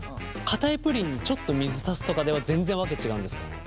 かたいプリンにちょっと水足すとかでは全然訳違うんですか？